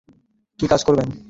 কি কাজ করবেন?